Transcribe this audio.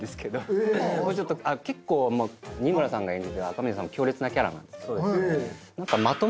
結構仁村さんが演じてる赤嶺さんも強烈なキャラなんですけど。